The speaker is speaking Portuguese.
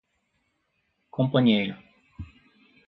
companheiro